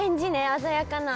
鮮やかな。